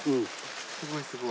すごいすごい。